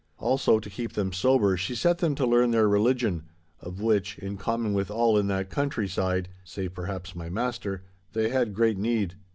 Also, to keep them sober, she set them to learn their religion—of which, in common with all in that country side (save perhaps my master) they had great need.